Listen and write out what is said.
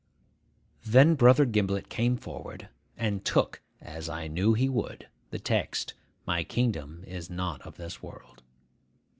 Then Brother Gimblet came forward, and took (as I knew he would) the text, 'My kingdom is not of this world.